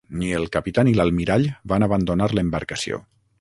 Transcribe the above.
Ni el capità ni l'almirall van abandonar l'embarcació.